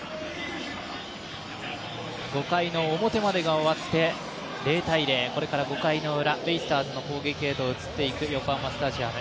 ５回の表までが終わって０−０これから５回ウラ、ベイスターズの攻撃へと移っていく横浜スタジアム。